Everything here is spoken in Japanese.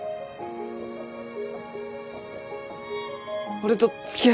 俺とつきあ。